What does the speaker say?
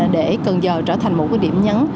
để gần giờ trở thành một cái điểm nhấn